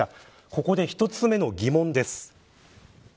ここで１つ目の疑問です。